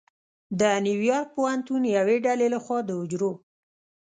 د نیویارک پوهنتون یوې ډلې لخوا د حجرو